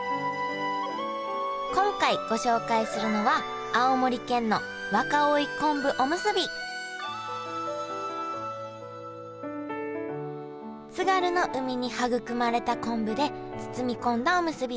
今回ご紹介するのは津軽の海に育まれた昆布で包み込んだおむすびです。